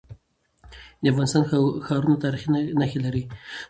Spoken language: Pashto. د افغانستان ښارونه تاریخي نښي لري.